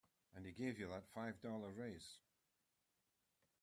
And he gave you that five dollar raise.